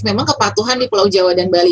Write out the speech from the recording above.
memang kepatuhan di pulau jawa dan bali